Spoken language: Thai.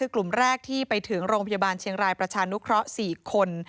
กลุ่มแรกที่ไปถึงโรงพยาบาลเชียงรายประชานุเคราะห์๔คน